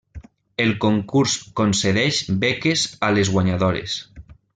El concurs concedeix beques a les guanyadores.